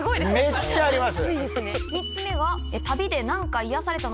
めっちゃあります。